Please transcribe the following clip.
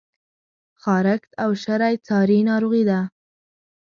خارښت او شری څاری ناروغی دي؟